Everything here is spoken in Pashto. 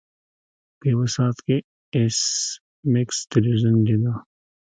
په یو ساعت کې ایس میکس تلویزیون لیده